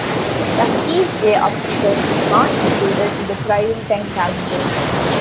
The feast day of Titus was not included in the Tridentine Calendar.